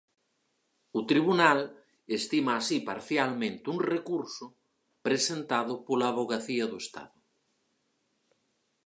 O Tribunal estima así parcialmente un recurso presentado pola Avogacía do Estado.